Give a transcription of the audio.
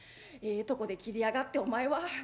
「ええとこで切りやがってお前は。